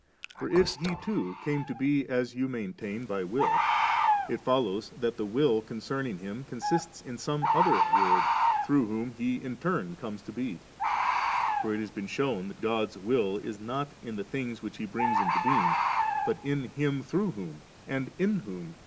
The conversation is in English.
For if He too came to be as you maintain, by will, it follows that the will concerning Him consists in some other Word, through whom He in turn comes to be ; for it has been shewn that God's will is not in the things which He brings into being, but in Him through whom and in whom all « CC a.